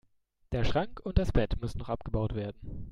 Der Schrank und das Bett müssen noch abgebaut werden.